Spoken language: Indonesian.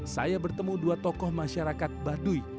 saya bertemu dua tokoh masyarakat baduy